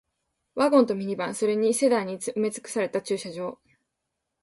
ワゴンとミニバン、それにセダンに埋め尽くされた駐車場